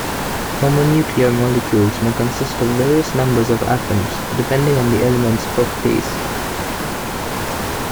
Homonuclear molecules may consist of various numbers of atoms, depending on the element's properties.